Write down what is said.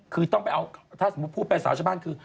คือต้องไปเอาถ้าสมมุติพูดไปสาวชาวบ้านคือ